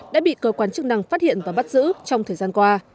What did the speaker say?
đã bị cơ quan chức năng phát hiện và bắt giữ trong thời gian qua